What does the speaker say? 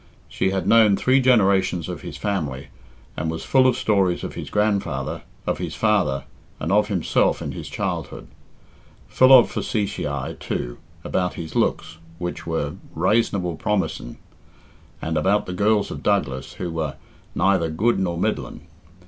She had known three generations of his family, and was full of stories of his grandfather, of his father, and of himself in his childhood. Full of facetiæ, too, about his looks, which were "rasonable promising," and about the girls of Douglas, who were "neither good nor middling."